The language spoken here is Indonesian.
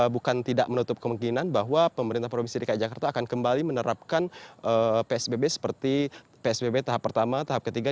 bukan tidak menutup kemungkinan bahwa pemerintah provinsi dki jakarta akan kembali menerapkan psbb seperti psbb tahap pertama tahap ketiga